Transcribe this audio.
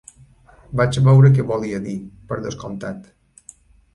Vaig veure què volia dir, per descomptat.